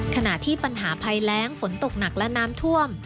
ขณะที่ปัญหาภัยแรงฝนตกหนักและน้ำท่วม